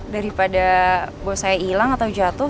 daripada bos saya hilang atau jatuh